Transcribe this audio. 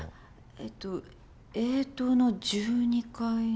えっとＡ棟の１２階の。